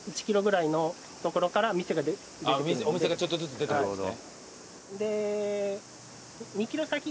お店がちょっとずつ出てくるんですね。